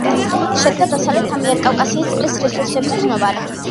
შედგა დასავლეთ ამიერკავკასიის წყლის რესურსების ცნობარი.